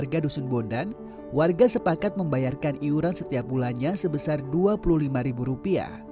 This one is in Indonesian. jambal juga sepakat membayarkan iuran setiap bulannya sebesar rp dua puluh lima